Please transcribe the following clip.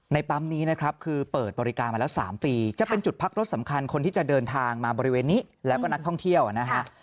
ปั๊มนี้นะครับคือเปิดบริการมาแล้ว๓ปีจะเป็นจุดพักรถสำคัญคนที่จะเดินทางมาบริเวณนี้แล้วก็นักท่องเที่ยวนะฮะ